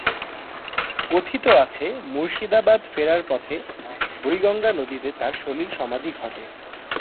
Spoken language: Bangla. কথিত আছে, মুর্শিদাবাদ ফেরার পথে বুড়িগঙ্গা নদীতে তার সলিল সমাধি ঘটে।